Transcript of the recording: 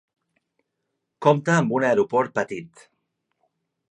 Compta amb un aeroport petit.